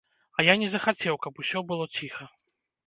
А я не захацеў, каб усё было ціха.